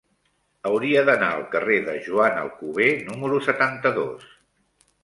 Hauria d'anar al carrer de Joan Alcover número setanta-dos.